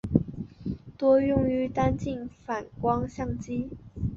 多用于单镜反光相机。